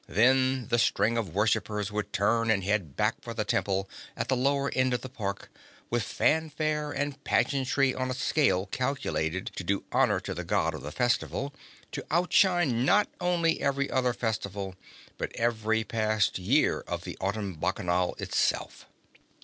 Then the string of worshippers would turn and head back for the Temple at the lower end of the Park, with fanfare and pageantry on a scale calculated to do honor to the God of the festival, to outshine not only every other festival, but every past year of the Autumn Bacchanal itself.